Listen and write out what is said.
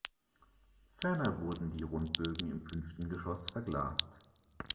Ferner wurden die Rundbögen im fünften Geschoss verglast.